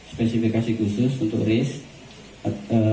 spesifikasi khusus untuk race